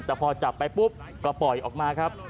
แต่พอจับไปปุ๊บก็ปล่อยออกมาครับ